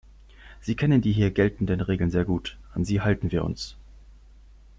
Sie kennen die hier geltenden Regeln sehr gut. An sie halten wir uns.